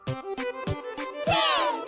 せの！